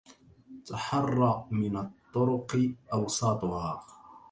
تحر من الطرق أوساطها